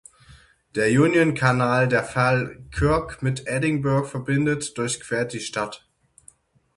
Der Union Canal, der Falkirk mit Edinburgh verbindet, durchquert die Stadt.